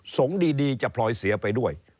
ดีจะพลอยเสียไปด้วย